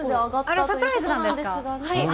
あれサプライズなんですか。